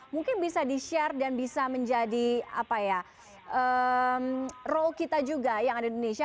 mungkin bisa di share dan bisa menjadi role kita juga yang ada di indonesia